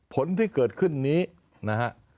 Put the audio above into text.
ผลที่เกิดขึ้นนี้นะฮะ